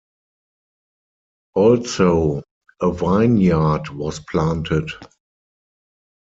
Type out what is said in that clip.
Also, a vineyard was planted.